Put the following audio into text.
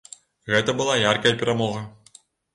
Гэта была яркая перамога.